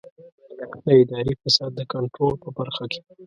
د اداري فساد د کنټرول په برخه کې.